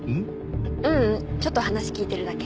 ううんちょっと話聞いてるだけ。